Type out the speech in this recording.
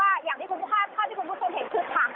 อากาศที่เราสูดดมอยู่ทุกวันเข้าไปข้างใน